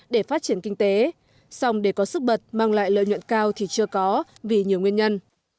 để phát triển kinh tế song để có sức bật mang lại lợi nhuận cao thì chưa có vì nhiều nguyên nhân